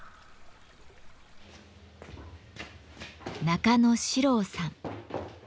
中野史朗さん。